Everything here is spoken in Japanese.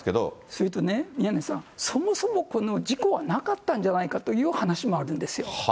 それとね、宮根さん、そもそもこの事故はなかったんじゃないかという話もあるんですよ。